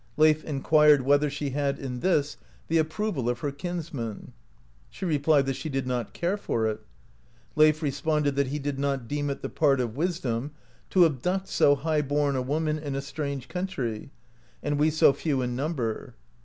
Leif enquired whether she had in this the approval of her kinsmen. She replied that she did not care for it. Leif responded that he did not deem it the part of wisdom to abduct so high bom a woman in a strange country, "and we so few in number."